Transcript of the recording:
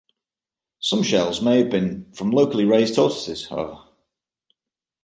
Some shells may have been from locally raised tortoises, however.